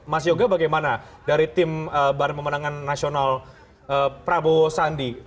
mas yoga bagaimana dari tim bar pemenangan nasional prabowo sandi